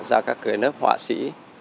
ra các cái lớp họa sĩ